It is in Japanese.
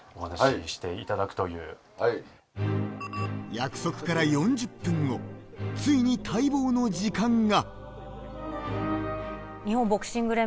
約束から４０分後、ついに待望の時間が。